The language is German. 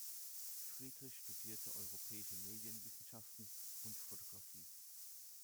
Friedrich studierte Europäische Medienwissenschaften und Photographie.